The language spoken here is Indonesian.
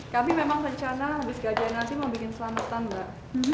kami memang rencana habis gajian nasi mau bikin selamatan mbak